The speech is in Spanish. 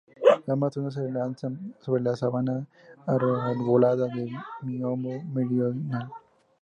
Ambas zonas se alzan sobre la sabana arbolada de miombo meridional.